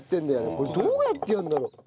これどうやってやるんだろう？